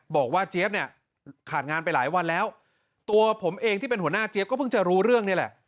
เจี๊ยบเนี่ยขาดงานไปหลายวันแล้วตัวผมเองที่เป็นหัวหน้าเจี๊ยบก็เพิ่งจะรู้เรื่องนี่แหละ